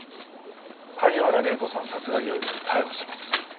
萩原礼子さん殺害容疑で逮捕します。